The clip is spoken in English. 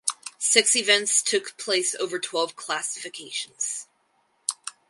Six events took place over twelve classifications.